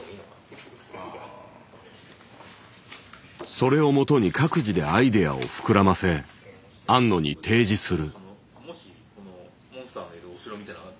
それをもとに各自でアイデアを膨らませ庵野に提示する。